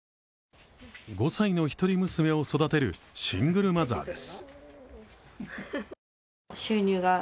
５歳の一人娘を育てるシングルマザーです。